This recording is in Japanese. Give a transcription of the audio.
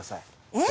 えっ？